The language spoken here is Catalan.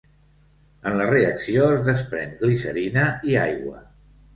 En la reacció es desprèn glicerina i aigua.